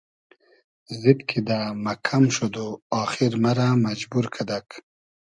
زید کیدۂ مئکئم شود و آخیر مئرۂ مئجبور کئدئگ